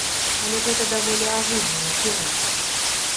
Але гэта даволі агульны накірунак.